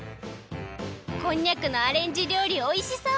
こんにゃくのアレンジりょうりおいしそう！